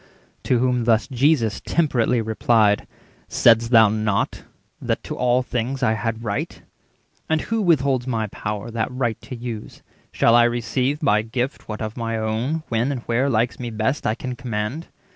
To whom thus Jesus temperately replied:— "Said'st thou not that to all things I had right? And who withholds my power that right to use? 380 Shall I receive by gift what of my own, When and where likes me best, I can command?